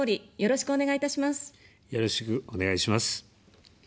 よろしくお願いします。